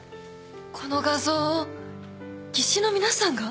この画像を技師の皆さんが？